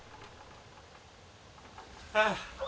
ああ。